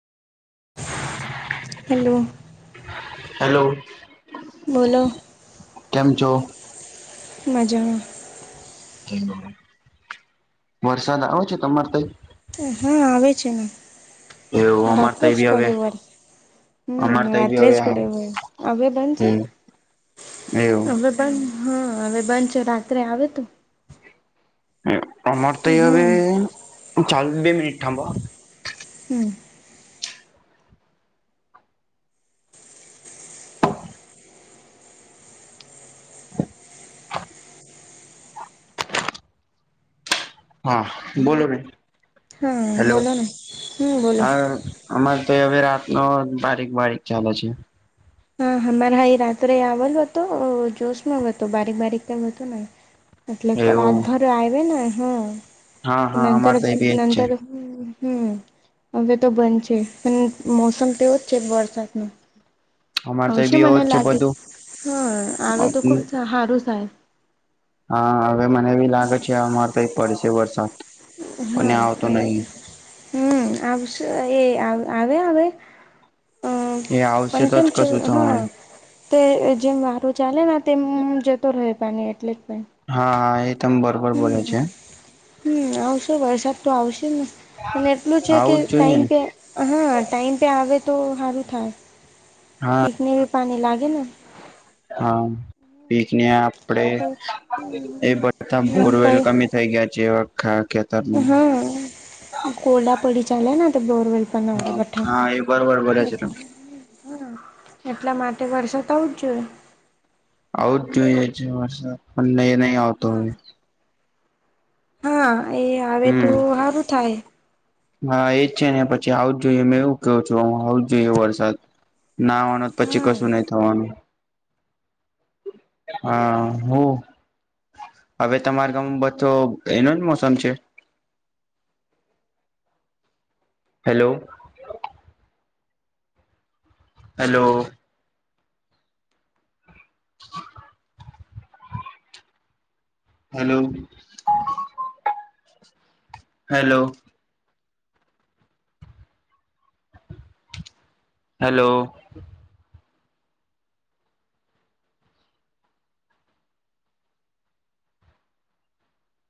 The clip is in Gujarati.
Hello hello. બોલો કેમ છો? મજામાં વરસાદ આવે છે તમારે ત્યાં? હા આવે છે ને એવું અમાર રાત્રે જ તઈ બી હવે પડ્યો વરસાદ હમ અમાર તઈ બી રાત્રે જ હવે આવ પડ્યો હોય હવે બંધ છે. હમ એવું. હવે બંધ હા હવે બંધ છે રાત્રે આવે તો અમાર તો એ હવે હમ ચાલ બે મિનિટ થાભ હમ્મ. હા બોલો બેન હા હેલો બોલો ને હમ બોલો. હા અમારે તો હવે રાતનો બારીક બારીક ચાલે છે. હા હમારા હાઈ રાત્રે આવેલો હતો જોશમાં હતો બારીક બારીક તેમ હતો નહી. એટલે એવું રાતભર આવે ને હા હા અમારે તો બી એજ છે [inaudible] હમ હવે તો બંધ છે પણ મોસમ તેવો જ છે વરસાદ નુ અમારે તો આવશે બી એવો મને જ છે લાગે હા આવે તો બધું ખુબ હારૂ સાય હા હવે મને એવી લાગે છે અમારે તો એ પડશે વરસાદ પણ આવતો નહી. હમ આવશે એ આવે હવે હમ એ આવશે તો જ [inaudible] ચ કશું હા. થવાનું તે જેમ વારો ચાલે ને તેમ જતો રહે પાની એટલે. પણ હા હા એ તમ બરોબર બોલે છે. હમ હમ આવશો વરસાદ તો આવશે ને અને એટલું છે કે આવું જ જોઈએ ટાઈમ ને પે હા ટાઈમ પે આવે તો હારું થાય. હા. [inaudible] પાણી લાગે ને. હા, બેઝને આપડે એ બધા પ બોરવેલ‌ કમી થઈ ગયા છે, અખા હ કોરડા પડી ચાલેના તો બોરવેલ પણ આવડા હા એ બરોબર બોલે છે બઠા, તમે હા એટલા માટે વરસાદ આવો જ જોઈએ. આવું જ જોઈએ છે, વરસાદ અને નહીં નઈ આવતો હા. હવે હા એ આવે તો હમ સારું થાય. હા એજ છે, ને પછી આવું જ જોઈએ મે એવું ક્યો છું, હું આવો જોઈએ વરસાદ ના આવાનું પછી હમ કશું નહી થવાનું. હા, હું હવે તમારા ગામમાં બધો એનો જ મોસમ છે? Hello, hello, hello, hello, hello,